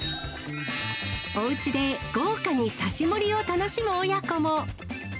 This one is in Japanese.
おうちで豪華に刺し盛りを楽しむ親子も。